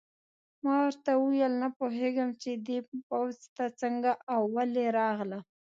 ما ورته وویل: نه پوهېږم چې دې پوځ ته څنګه او ولې راغلم.